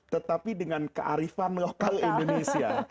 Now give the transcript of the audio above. tetapi dengan kearifan lokal indonesia